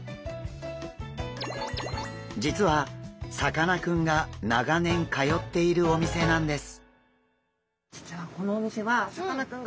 実はさかなクンが長年通っているお店なんです。